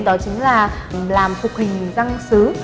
đó chính là làm phục hình răng xứ